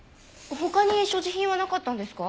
他に所持品はなかったんですか？